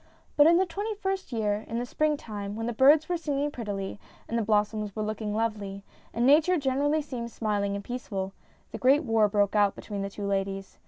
But in the twenty first year, in the springtime, when the birds were singing prettily, and the blossoms were looking lovely, and Nature gener ally seemed smiling and peaceful, the great war broke out between the two ladies.